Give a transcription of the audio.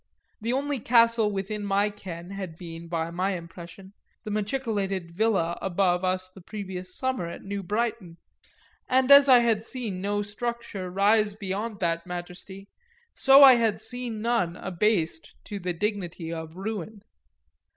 The only castle within my ken had been, by my impression, the machicolated villa above us the previous summer at New Brighton, and as I had seen no structure rise beyond that majesty so I had seen none abased to the dignity of ruin.